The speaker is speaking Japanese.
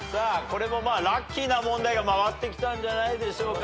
これもまあラッキーな問題が回ってきたんじゃないでしょうか。